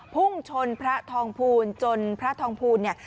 พุ่งชนพระทองภูลจนพระทองภูลเนี่ย